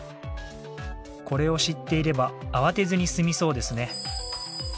これを知っていれば慌てずに済みそうですね。